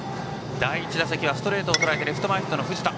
第１打席はストレートをとらえてレフト前ヒットの藤田。